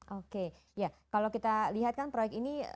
oke ya kalau kita lihat kan proyek ini